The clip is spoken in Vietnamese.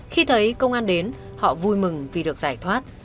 khi thấy công an đến họ vui mừng vì được giải thoát